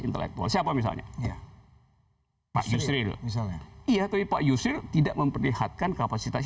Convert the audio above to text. intelektual siapa misalnya ya pak yusril misalnya iya tapi pak yusril tidak memperlihatkan kapasitas